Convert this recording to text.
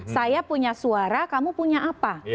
saya punya suara kamu punya apa